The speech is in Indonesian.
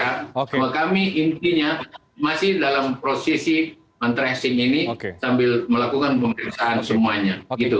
kalau kami intinya masih dalam prosesi men tracing ini sambil melakukan pemeriksaan semuanya